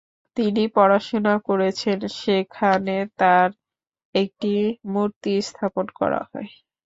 তিনি পড়াশোনা করেছেন সেখানে তার একটি মূর্তি স্থাপন করা হয়।